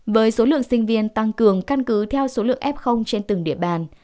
với số lượng sinh viên tăng cường căn cứ theo số lượng f trên từng địa bàn